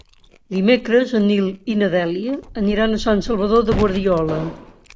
Dimecres en Nil i na Dèlia aniran a Sant Salvador de Guardiola.